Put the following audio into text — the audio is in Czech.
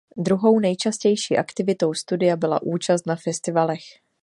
Druhou nejčastější aktivitou studia byla účast na festivalech.